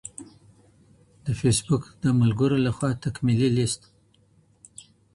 د فيس بک د ملګرو له خوا تکميلي ليست: